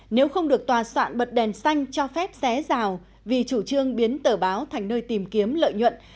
nếu không được tòa soạn bật đèn xanh cho phép xé rào vì chủ trương biến tờ báo thành nơi tìm kiếm lợi nhuận